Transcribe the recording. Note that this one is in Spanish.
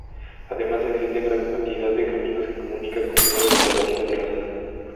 Además, existen gran cantidad de caminos que comunican con diversas poblaciones de la zona.